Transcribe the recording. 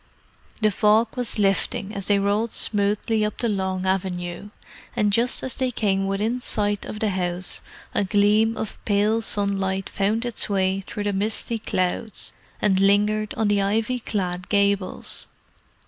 The fog was lifting as they rolled smoothly up the long avenue; and just as they came within sight of the house a gleam of pale sunlight found its way through the misty clouds and lingered on the ivy clad gables.